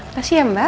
masih ya mbak